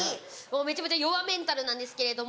めちゃめちゃ弱メンタルなんですけれども。